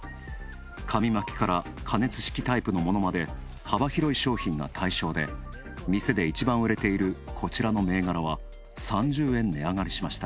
紙巻きから加熱式タイプのものまで幅広い商品が対象で店で一番売れている、こちらの銘柄は３０円値上がりました。